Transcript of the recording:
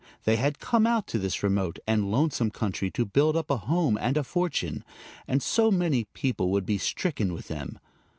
They had come out to this remote and lonesome country to build up a home and a fortune; and so many people would be stricken with them!